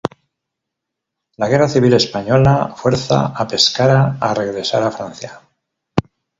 La Guerra civil española fuerza a Pescara a regresar a Francia.